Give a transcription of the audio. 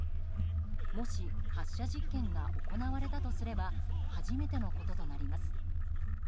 もし、発射実験が行われたとすれば初めてのこととなります。